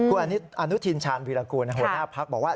อันนุชินชาญวิรากูลหัวหน้าภักดิ์บอกว่า